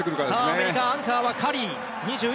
アメリカ、アンカーはカリー。